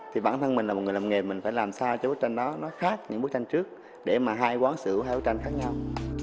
thì bản thân mình là một người làm nghề mình phải làm sao cho bức tranh đó nó khác những bức tranh trước để mà hai quán sửa hai bức tranh khác nhau